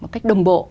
một cách đồng bộ